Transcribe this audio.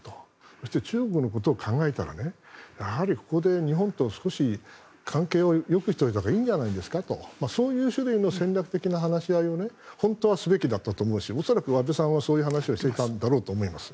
そして、中国のことを考えたらやはりここで日本と少し関係をよくしておいたほうがいいんじゃないですかとそういう種類の戦略的な話し合いを本当はすべきだったと思うし恐らく安倍さんはそういう話をしていたんだと思います。